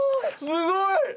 すごい！